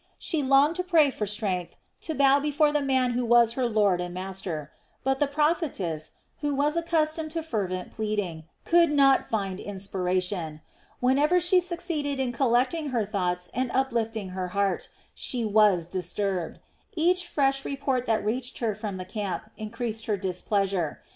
She longed to pray for strength to bow before the man who was her lord and master; but the prophetess, who was accustomed to fervent pleading, could not find inspiration. Whenever she succeeded in collecting her thoughts and uplifting her heart, she was disturbed. Each fresh report that reached her from the camp increased her displeasure.